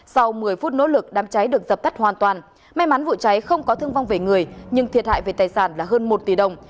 sau một mươi phút nỗ lực đám cháy được dập tắt hoàn toàn may mắn vụ cháy không có thương vong về người nhưng thiệt hại về tài sản là hơn một tỷ đồng